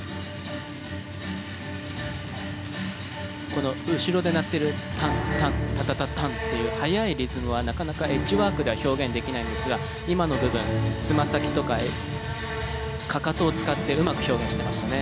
この後ろで鳴ってる「タンタンタタタタン」っていう速いリズムはなかなかエッジワークでは表現できないんですが今の部分つま先とかかかとを使ってうまく表現してましたね。